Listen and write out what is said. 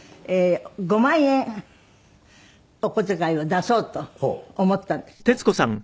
５万円お小遣いを出そうと思ったんですけど。